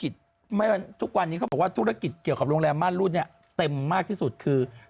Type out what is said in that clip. ทุกวันนี้เขาบอกว่าธุรกิจเกี่ยวกับโรงแรมม่านรูดเนี่ยเต็มมากที่สุดคือ